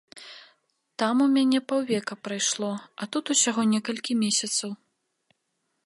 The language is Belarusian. Там у мяне паўвека прайшло, а тут усяго некалькі месяцаў.